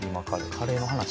カレーの話。